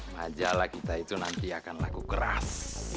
majalah kita itu nanti akan laku keras